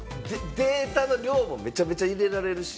データの量もめちゃめちゃ入れられるし。